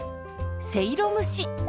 せいろ蒸し。